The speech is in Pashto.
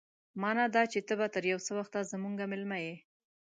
مانا دا چې ته به تر يو څه وخته زموږ مېلمه يې.